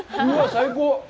最高。